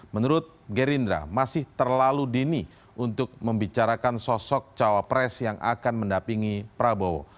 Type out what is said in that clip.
menurut gerindra masih terlalu dini untuk membicarakan sosok cawapres yang akan mendapingi prabowo